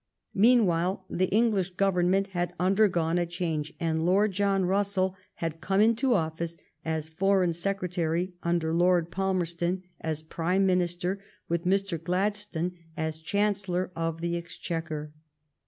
Meanwhile the English Government had undergone a change, and Lord John Russell had come into office as Foreign Sec retary under Lord Palmerston as Prime Minister and with Mr. Gladstone as Chancellor of the Ex chequer.